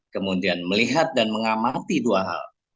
kemudian melihat dan mengamati dua hal